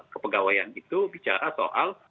kepegawaian itu bicara soal